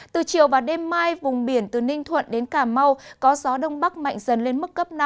từ chiều và đêm mai vùng biển từ ninh thuận đến cà mau có gió đông bắc mạnh dần lên mức cấp năm